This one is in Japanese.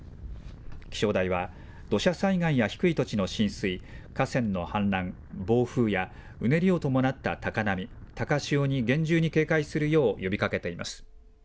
気象台は、土砂災害や低い土地の浸水、河川の氾濫、暴風やうねりを伴った高波、高潮に厳重に警戒するよう呼びかけています。